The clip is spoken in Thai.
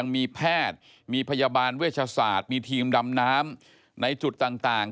มีแพทย์มีพยาบาลเวชศาสตร์มีทีมดำน้ำในจุดต่าง